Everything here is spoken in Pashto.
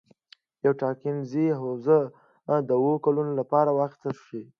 یوه ټاکنیزه حوزه د اووه کلونو لپاره واخیستل شي.